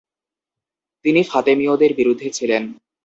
তিনি ফাতেমীয়দের বিরুদ্ধে ছিলেন।